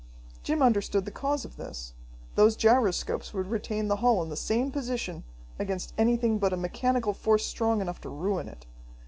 Jim understood the cause of this. Those gyroscopes would retain the hull in the same position against anything but a mechanical force strong enough to ruin it.